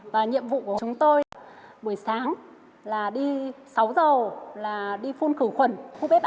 và nhiệm vụ của chúng tôi buổi sáng là đi sáu giờ là đi phun khử khuẩn khu bếp ăn